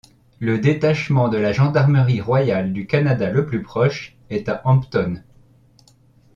Le détachement de la Gendarmerie royale du Canada le plus proche est à Hampton.